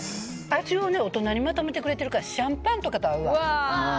味を大人にまとめてくれているからシャンパンとかと合うわ。